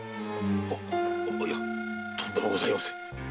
あいやとんでもございません。